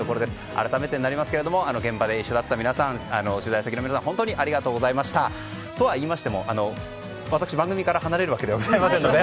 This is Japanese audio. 改めてになりますけど現場で一緒だった皆さん取材先の皆さん本当にありがとうございました！とは言いましても私、番組から離れるわけではありませんので。